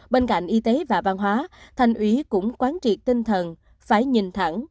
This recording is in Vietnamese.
bên cạnh y tế và văn hóa thành ủy cũng quán triệt tinh thần phải nhìn thẳng